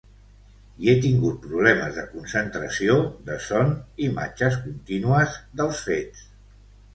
I he tingut problemes de concentració, de son, imatges contínues dels fets.